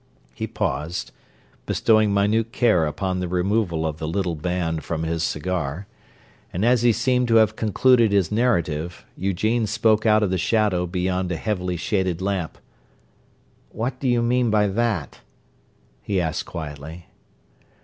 He paused, bestowing minute care upon the removal of the little band from his cigar; and as he seemed to have concluded his narrative, Eugene spoke out of the shadow beyond a heavily shaded lamp: "What do you mean by that?" he asked quietly.